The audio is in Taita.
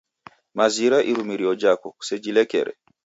Mazira irumirio jhako, kusejhilekere